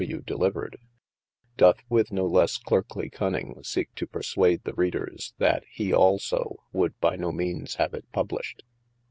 W. delivered, doth with no lesse clerkly cufiing seeke to perswade the readers, that he (also) woulde by no meanes have it published.